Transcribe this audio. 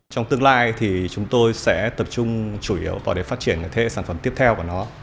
trong tương lai thì chúng tôi sẽ tập trung chủ yếu vào phát triển thế sản phẩm tiếp theo của nó